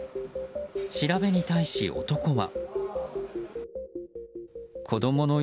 調べに対し、男は。